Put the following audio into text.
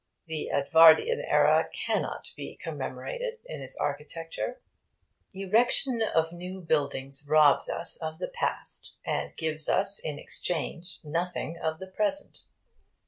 The Edvardian Era cannot be commemorated in its architecture. Erection of new buildings robs us of the past and gives us in exchange nothing of the present.